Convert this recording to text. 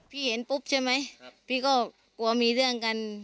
เห็นปุ๊บใช่ไหมพี่ก็กลัวมีเรื่องกัน